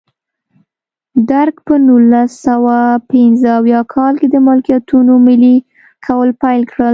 درګ په نولس سوه پنځه اویا کال کې د ملکیتونو ملي کول پیل کړل.